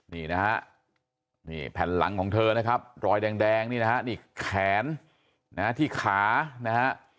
นี่นะฮะนี่แผ่นหลังของเธอนะครับรอยแดงนี่นะฮะนี่แขนนะฮะที่ขานะฮะ